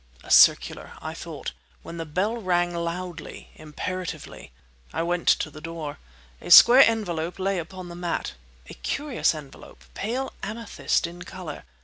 "A circular," I thought, when the bell rang loudly, imperatively. I went to the door. A square envelope lay upon the mat—a curious envelope, pale amethyst in colour.